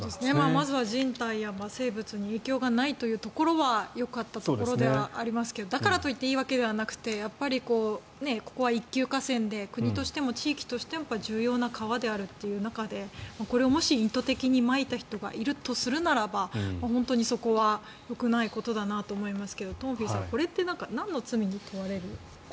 まずは人体や生物に影響がないというところはよかったところではありますがだからといっていいわけではなくてここは一級河川で国としても地域としても重要な川であるという中でこれ、もし意図的にまいた人がいるとするならば本当にそこはよくないことだなと思いますけど東輝さん、これってなんの罪に問われるんですか？